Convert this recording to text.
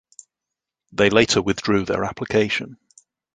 They later withdrew their application.